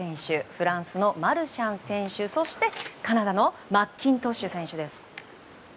フランスのマルシャン選手そして、カナダのマッキントッシュ選手です。